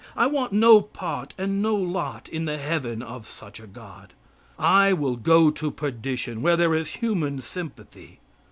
I want no part and no lot in the heaven of such a God. I will go to perdition, where there is human sympathy.